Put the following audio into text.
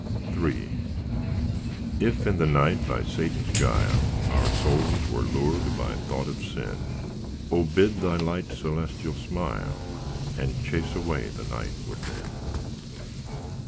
III If in the night by Satan's guile Our souls were lured by thought of sin; O bid Thy light celestial smile, And chase away the night within.